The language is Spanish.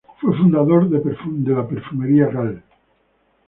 Fue fundador de Perfumería Gal.